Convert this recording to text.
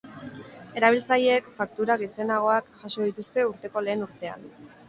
Erabiltzaileek faktura gizenagoak jaso dituzte urteko lehen urtean.